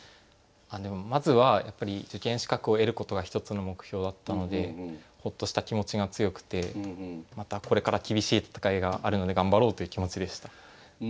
まずはやっぱり受験資格を得ることが一つの目標だったのでほっとした気持ちが強くてまたこれから厳しい戦いがあるので頑張ろうという気持ちでした。